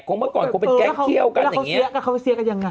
เมื่อก่อนคงเป็นแก๊งเที่ยวกันอย่างเงี้แล้วเขาไปเสียกันยังไง